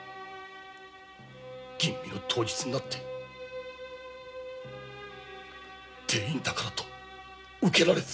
吟味の当日になってもはや定員だからと受けられず。